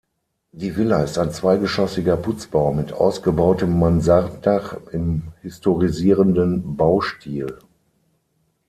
Die Villa ist ein zweigeschossiger Putzbau mit ausgebautem Mansarddach im historisierenden Baustil.